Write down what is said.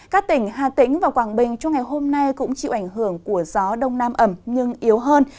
các tỉnh hà tĩnh và quảng bình trong ngày hôm nay cũng chịu ảnh hưởng của gió đông nam ẩm nhưng yếu hơn